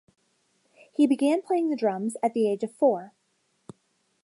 He began playing the drums at the age of four.